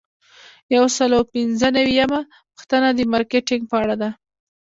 یو سل او پنځه نوي یمه پوښتنه د مارکیټینګ په اړه ده.